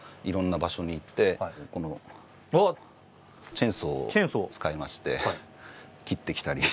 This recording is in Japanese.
チェーンソーを使いまして切ってきたり。